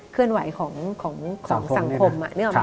เคลื่อนไหวของสังคม